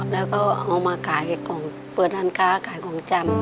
แล้วก็เอามาขายของเปิดร้านค้าขายของจำ